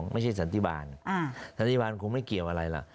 สันติบาลสันติบาลคงไม่เกี่ยวอะไรล่ะ